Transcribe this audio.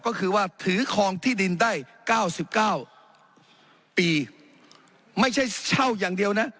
ก็คือว่าถือคลองที่ดินได้เก้าสิบเก้าปีไม่ใช่เช่าอย่างเดียวนะ